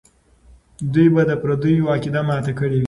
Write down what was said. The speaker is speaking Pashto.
دوی به د پردیو عقیده ماته کړې وي.